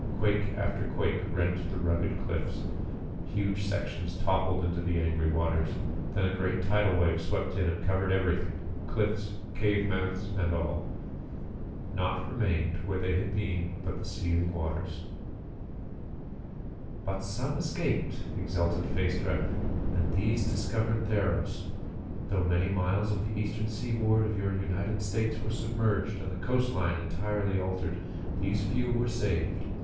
Quake after quake rent the rugged cliffs: huge sections toppled into the angry waters. Then a great tidal wave swept in and covered everything, cliffs, cave mouths and all. Nought remained where they had been but the seething waters. "But some escaped!" exulted Phaestra, "and these discovered Theros. Though many miles of the eastern seaboard of your United States were submerged and the coastline entirely altered, these few were saved.